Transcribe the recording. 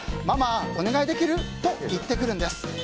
ママ、お願いできる？と言ってくるんです。